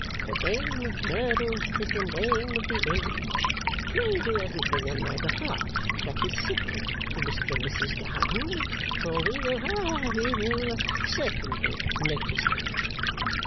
The name of Merdle is the name of the age. Pray do everything on my behalf that is civil to Mr and Mrs Gowan, for we will ha we will certainly notice them.